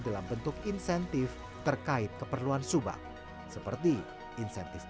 dalam bentuk insentif terkait keperluan subak seperti insentif pupuk tabungan petani hingga biaya upacara ritual yang digelar di subak